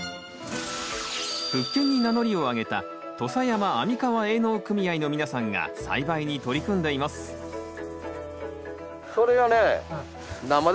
復権に名乗りを上げた土佐山網川営農組合の皆さんが栽培に取り組んでいますそれをね